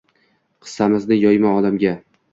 … Qissamizni yoyma olamga